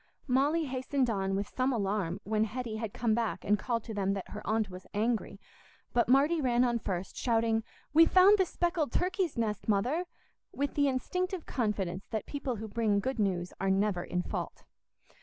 Molly hastened on with some alarm when Hetty had come back and called to them that her aunt was angry; but Marty ran on first, shouting, "We've found the speckled turkey's nest, Mother!" with the instinctive confidence that people who bring good news are never in fault.